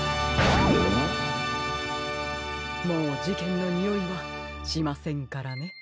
もうじけんのにおいはしませんからね。